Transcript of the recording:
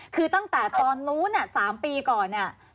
คือตั้งแต่ตอนนู้น๓ปีก่อนเนี่ย